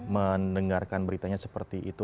mendengarkan beritanya seperti itu